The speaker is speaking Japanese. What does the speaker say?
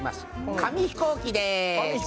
紙飛行機です。